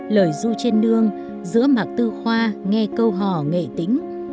lời ru trên đường giữa mặt tư khoa nghe câu hò nghệ tĩnh